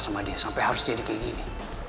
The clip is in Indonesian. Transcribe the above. sama dia sampai harus jadi kayak gini